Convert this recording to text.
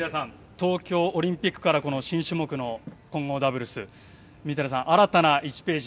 東京オリンピックから新種目の混合ダブルス水谷さん、新たな１ページ。